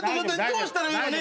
どうしたらいいの？